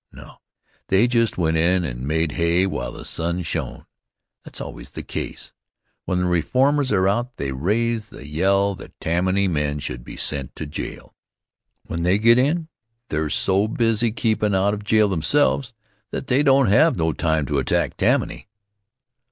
No; they' just went in and made hay while the sun shone That's always the case. When the reformers are out they raise the yell that Tammany men should be sent to jail. When they get in, they're so busy keepin' out of jail themselves that they don't have no time to attack Tammany.